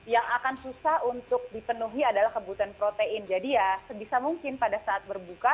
yang akan susah untuk dipenuhi adalah kebutuhan protein jadi ya sebisa mungkin pada saat berbuka